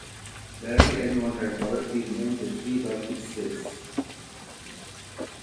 Barely anyone can correctly name the three Baltic states.